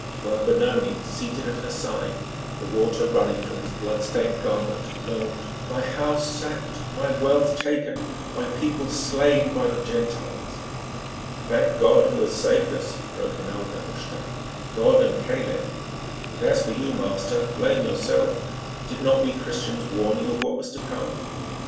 while Benoni seated at her side, the water running from his blood stained garment, moaned: "My house sacked; my wealth taken; my people slain by the Gentiles!" "Thank God Who has saved us," broke in old Nehushta, "God and Caleb; and as for you, master, blame yourself. Did not we Christians warn you of what was to come?